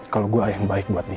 kalau gue yang baik buat dia